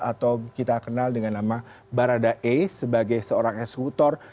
atau kita kenal dengan nama barada e sebagai seorang eksekutor